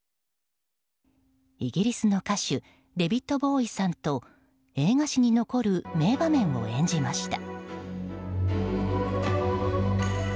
イギリスの歌手デヴィッド・ボウイさんと映画史に残る名場面を演じました。